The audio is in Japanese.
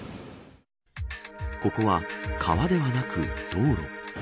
ここは川ではなく、道路。